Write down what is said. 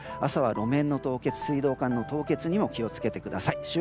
朝は路面の凍結水道管の凍結にも気を付けてください。